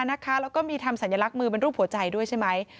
แล้วก็มีทำสัญลักษณ์มือเป็นรูปหัวใจด้วยใช่ไหม